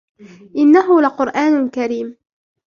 إنه لقرآن كريم